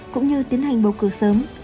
cũng như tiến hành bầu cử sớm